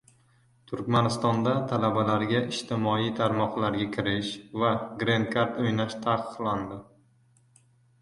Turkmanistonda talabalarga ijtimoiy tarmoqlarga kirish va Green Card o‘ynash taqiqlandi